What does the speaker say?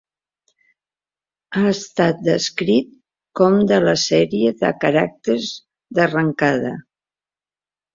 Ha estat descrit com de la sèrie de caràcters d'arrencada.